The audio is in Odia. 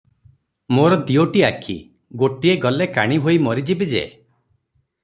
ମୋର ଦିଓଟି ଆଖି; ଗୋଟିଏ ଗଲେ କାଣୀ ହୋଇ ମରିଯିବି ଯେ ।